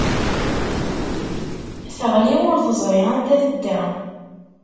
Teɣli ur teẓri anda i tedda.